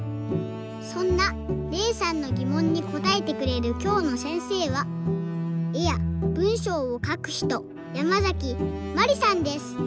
そんなれいさんのぎもんにこたえてくれるきょうのせんせいは絵やぶんしょうをかくひとヤマザキマリさんです。